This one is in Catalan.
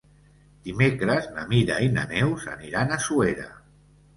Dimecres na Mira i na Neus aniran a Suera.